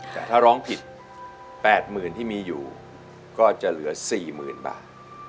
แต่ถ้าร้องผิด๘หมื่นที่มีอยู่ก็จะเหลือ๔หมื่นบาท